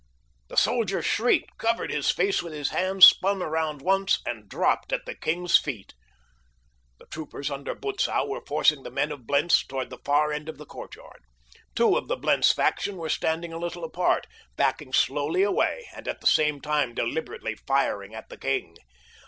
The soldier shrieked, covered his face with his hands, spun around once, and dropped at the king's feet. The troopers under Butzow were forcing the men of Blentz toward the far end of the courtyard. Two of the Blentz faction were standing a little apart, backing slowly away and at the same time deliberately firing at the king.